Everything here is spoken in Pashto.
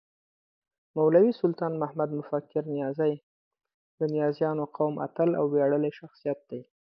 مولوي سلطان محمد مفکر نیازی د نیازيو قوم اتل او وياړلی شخصیت دی